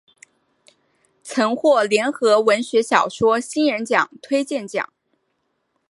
曾获联合文学小说新人奖推荐奖。